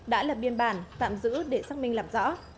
đã lập biên bản tạm giữ để xác minh làm rõ